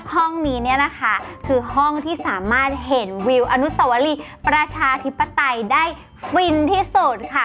ห้องนี้เนี่ยนะคะคือห้องที่สามารถเห็นวิวอนุสวรีประชาธิปไตยได้ฟินที่สุดค่ะ